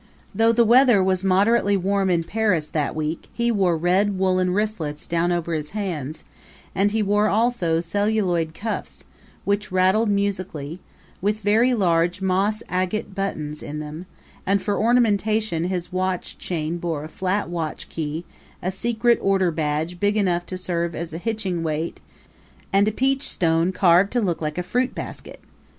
Though the weather was moderately warm in Paris that week he wore red woolen wristlets down over his hands; and he wore also celluloid cuffs, which rattled musically, with very large moss agate buttons in them; and for ornamentation his watch chain bore a flat watch key, a secret order badge big enough to serve as a hitching weight and a peach stone carved to look like a fruit basket.